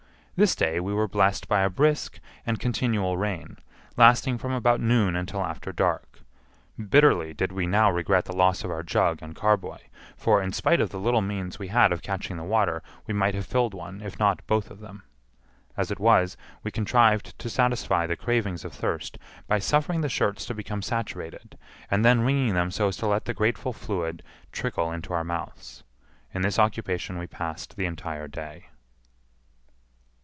This day we were blessed by a brisk and continual rain, lasting from about noon until after dark. Bitterly did we now regret the loss of our jug and carboy; for, in spite of the little means we had of catching the water, we might have filled one, if not both of them. As it was, we contrived to satisfy the cravings of thirst by suffering the shirts to become saturated, and then wringing them so as to let the grateful fluid trickle into our mouths. In this occupation we passed the entire day.